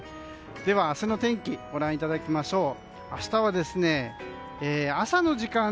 では、明日の天気ご覧いただきましょう。